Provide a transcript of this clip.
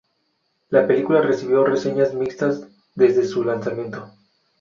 La película recibió reseñas mixtas desde su lanzamiento.